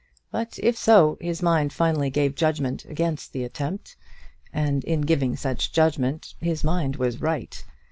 But if so, his mind finally gave judgment against the attempt, and in giving such judgment his mind was right.